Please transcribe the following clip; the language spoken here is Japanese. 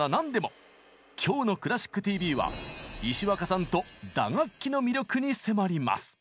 今日の「クラシックＴＶ」は石若さんと打楽器の魅力に迫ります！